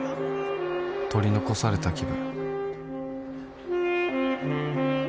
取り残された気分